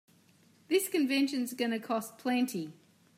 This convention's gonna cost plenty.